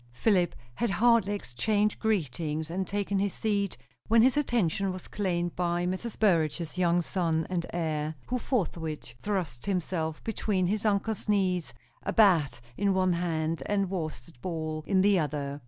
Philip had hardly exchanged greetings and taken his seat, when his attention was claimed by Mrs. Burrage's young son and heir, who forthwith thrust himself between his uncle's knees, a bat in one hand, a worsted ball in the other.